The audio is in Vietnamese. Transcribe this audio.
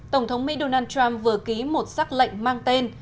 tổng thống mỹ donald trump vừa ký một xác lệnh mang tên